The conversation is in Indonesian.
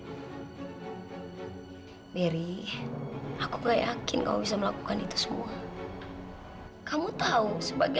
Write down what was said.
hai dari aku gak yakin kau bisa melakukan itu semua kamu tahu sebagai